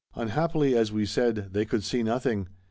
Unhappily, as we said, they could see nothing.